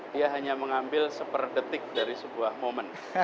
dia hanya mengambil seperdetik dari sebuah momen